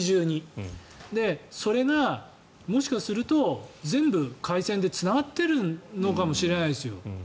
それがもしかすると全部回線でつながっているのかもしれないですよ。